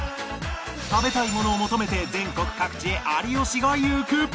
食べたいものを求めて全国各地へ有吉が行く！